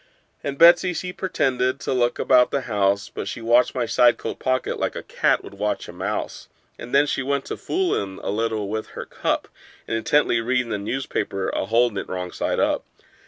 And Betsey, she pretended to look about the house, But she watched my side coat pocket like a cat would watch a mouse: And then she went to foolin' a little with her cup, And intently readin' a newspaper, a holdin' it wrong side up.